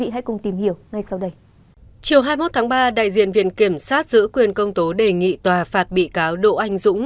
hôm ba đại diện viện kiểm sát giữ quyền công tố đề nghị tòa phạt bị cáo đỗ anh dũng